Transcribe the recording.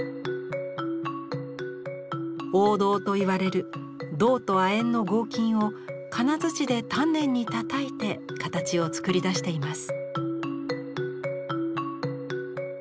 黄銅といわれる銅と亜鉛の合金を金づちで丹念にたたいて形を作り出しています。